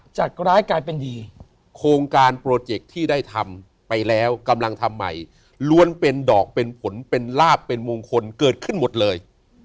จากร้ายกลายเป็นดีโครงการโปรเจคที่ได้ทำไปแล้วกำลังทำใหม่ล้วนเป็นดอกเป็นผลเป็นลาบเป็นมงคลเกิดขึ้นหมดเลย